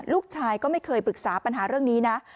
ลูกชายก็ไม่เคยปรึกษาปัญหาเรื่องนี้นะ